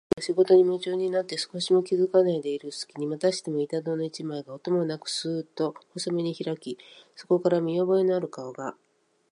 ふたりが仕事にむちゅうになって少しも気づかないでいるすきに、またしても板戸の一枚が、音もなくスーッと細めにひらき、そこから見おぼえのある顔が、